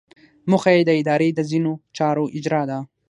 موخه یې د ادارې د ځینو چارو اجرا ده.